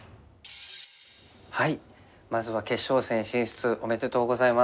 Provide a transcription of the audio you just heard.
まずは決勝戦進出おめでとうございます。